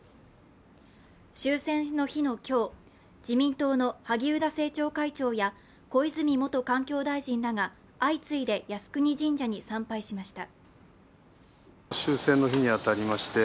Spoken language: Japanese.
終戦の日の今日、自民党の萩生田政調会長や小泉元環境大臣らが相次いで靖国神社に参拝しました。